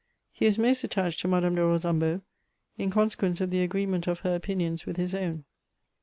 He was most, attached to Madame de Rosambo, in consequence of the agree ment of her opinions with his own.